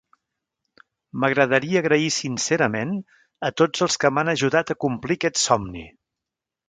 M'agradaria agrair sincerament a tots els que m'han ajudat a complir aquest somni.